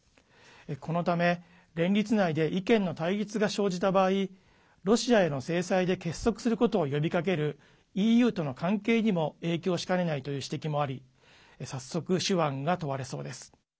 このため、連立内で意見の対立が生じた場合ロシアへの制裁で結束することを呼びかけるＥＵとの関係にも影響しかねないという指摘もあり早速、手腕が問われそうです。